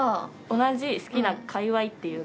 同じ好きな界わいっていうか。